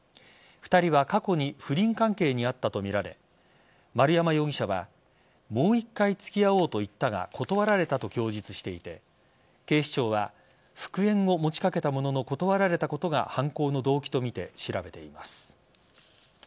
２人は過去に不倫関係にあったとみられ丸山容疑者はもう１回付き合おうと言ったが断られたと供述していて警視庁は復縁を持ちかけたものの断られたことが犯行の動機とみて調べています。